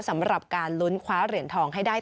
สำหรับการลุ้นคว้าเหรียญทองให้ได้